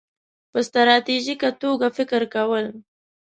-په ستراتیژیکه توګه فکر کول